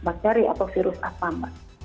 mbak kari atau virus asam